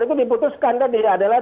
itu diputuskan tadi adalah